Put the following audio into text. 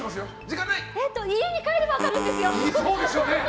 家に帰れば分かるんですよ。